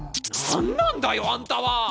何なんだよあんたは！